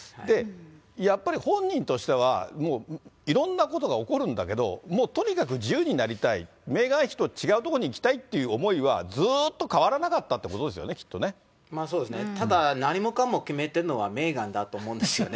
やっぱり本人としては、もういろんなことが起こるんだけど、もうとにかく自由になりたい、メーガン妃と違う所に行きたいという思いはずっと変わらなかったそうですね、ただ、何もかも決めてるのは、メーガンだと思うんですよね。